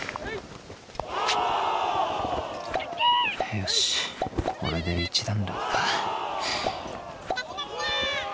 ・よしこれで一段落か。